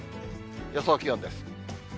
予想気温です。